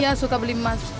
iya suka beli emas